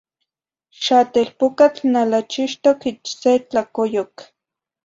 Xah telpucatl nalachixtoc ich se tlacoyoc.